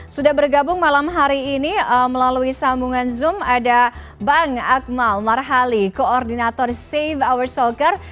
sudah bergabung malam hari ini melalui sambungan zoom ada bang akmal marhali koordinator safe our soccer